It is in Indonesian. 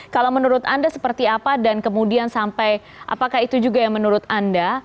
kalau menurut anda seperti apa dan kemudian sampai apakah itu juga yang menurut anda